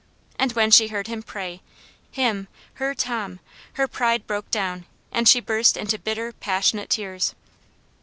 And when she heard him pray — him, her Tom — her pride broke down, and she burst into bitter, passionate tears.